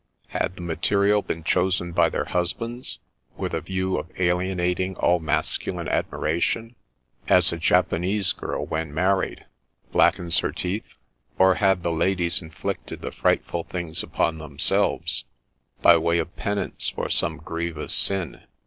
Had the material been chosen by their husbands, with the view of alienating all masculine admiration, as a Japanese girl, when married, blackens her teeth? Or had the ladies inflicted the frightful things upon themselves, by way of penance for some grievous sin